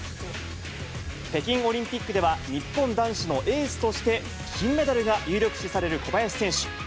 北京オリンピックでは、日本男子のエースとして金メダルが有力視される小林選手。